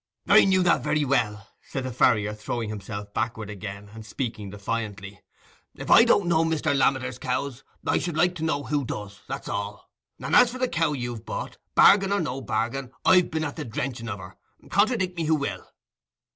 "I knew that very well," said the farrier, throwing himself backward again, and speaking defiantly; "if I don't know Mr. Lammeter's cows, I should like to know who does—that's all. And as for the cow you've bought, bargain or no bargain, I've been at the drenching of her—contradick me who will."